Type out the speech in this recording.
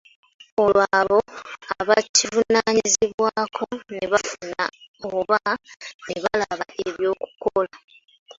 Olwo abo abakivunaanyizibwako ne bafuna oba ne balaba ekyokukola.